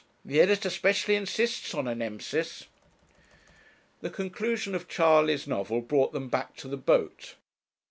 The editor specially insists on a Nemesis.' The conclusion of Charley's novel brought them back to the boat.